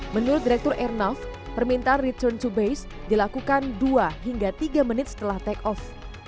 menurut direktur airnav permintaan return to base dilakukan dua hingga tiga menit setelah take off